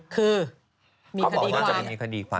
คือมีคดีความ